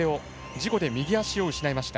事故で右足を失いました。